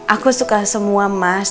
aku suka semua mas